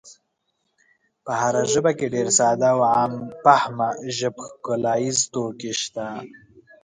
په هره ژبه کې ډېر ساده او عام فهمه ژب ښکلاییز توکي شته.